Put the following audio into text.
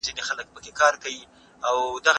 ایا د شاګرد او استاد مزاجي یووالی اړین دی؟